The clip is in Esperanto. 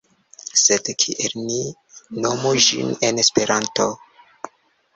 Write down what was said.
Sed kiel ni nomu ĝin en Esperanto?